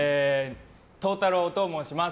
柊太朗と申します。